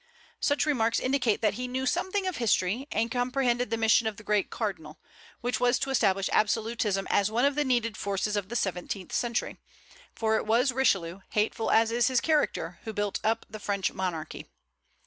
Such remarks indicate that he knew something of history, and comprehended the mission of the great cardinal, which was to establish absolutism as one of the needed forces of the seventeenth century; for it was Richelieu, hateful as is his character, who built up the French monarchy.